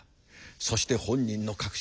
そして本人の確信